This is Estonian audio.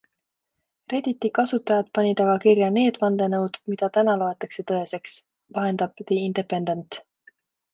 Redditi kasutajad panid aga kirja need vandenõud, mida täna loetakse tõeseks, vahendab The Independent.